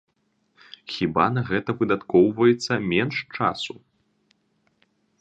Хіба на гэта выдаткоўваецца менш часу?